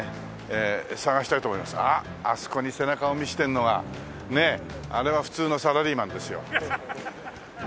あっあそこに背中を見せてんのはねえあれは普通のサラリーマンですよ。